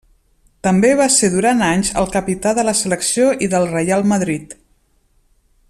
També va ser durant anys el capità de la selecció i del Reial Madrid.